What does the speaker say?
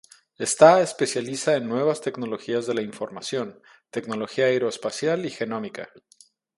Está especializa en nuevas tecnologías de la información, tecnología aeroespacial y genómica.